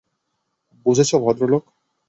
বুঝেছ, ভদ্রলোক।